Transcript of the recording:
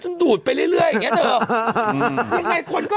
ฉันดูดไปเรื่อยอย่างนี้